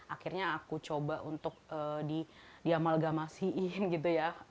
akhirnya aku coba untuk diamalgamasiin gitu ya